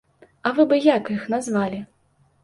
А вы бы як іх назвалі?